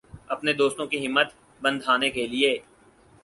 اپنے دوستوں کی ہمت بندھانے کے لئے